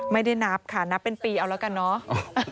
ไม่ได้นับค่ะนับเป็นปีเอาแล้วกันเนาะ